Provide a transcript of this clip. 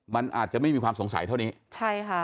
มันอาจจะไม่มีความสงสัยเท่านี้ใช่ค่ะ